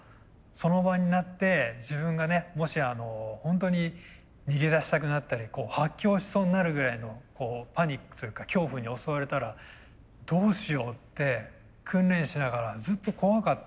その場になって自分がねもしホントに逃げ出したくなったり発狂しそうになるぐらいのパニックというか恐怖に襲われたらどうしようって訓練しながらずっと怖かったんですよ。